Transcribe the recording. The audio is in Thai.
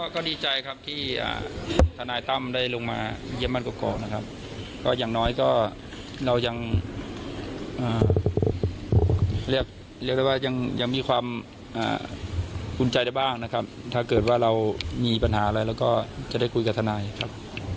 ก็ดีใจครับที่ทนายตั้มได้ลงมาเยี่ยมบ้านกรอกนะครับก็อย่างน้อยก็เรายังเรียกได้ว่ายังมีความภูมิใจได้บ้างนะครับถ้าเกิดว่าเรามีปัญหาอะไรเราก็จะได้คุยกับทนายครับ